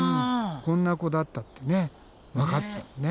こんな子だったってわかったんだね。